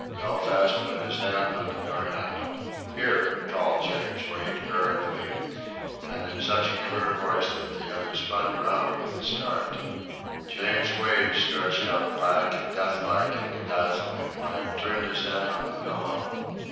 Belfast put his hand on the door handle. "Here!" called James Wait, hurriedly, and in such a clear voice that the other spun round with a start. James Wait, stretched out black and deathlike in the dazzling light, turned his head on the pillow.